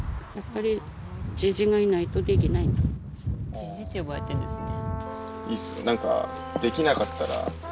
じじって呼ばれてんですね。